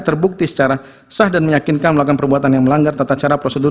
tertanggal dua puluh empat november dua ribu dua puluh tiga kepada pelapor